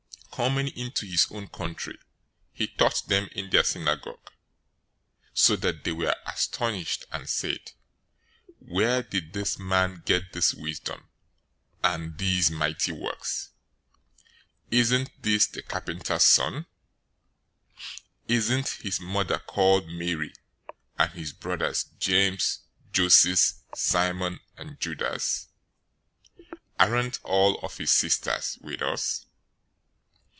013:054 Coming into his own country, he taught them in their synagogue, so that they were astonished, and said, "Where did this man get this wisdom, and these mighty works? 013:055 Isn't this the carpenter's son? Isn't his mother called Mary, and his brothers, James, Joses, Simon, and Judas{or, Judah}? 013:056 Aren't all of his sisters with us?